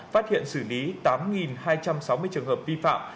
phát hiện xử lý tám hai trăm sáu mươi trường hợp vi phạm